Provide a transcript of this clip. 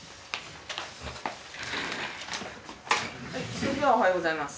それではおはようございます。